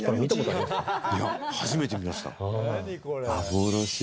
初めて見ました。